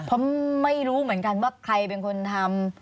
เพราะไม่รู้เหมือนกันว่าใครเป็นคนทำ